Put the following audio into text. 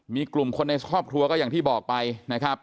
มีกลุ่มคนในครอบครัวก็อย่างที่บอกไปนะครับ